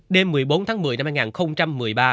đêm một mươi bốn tháng một mươi năm hai nghìn một mươi ba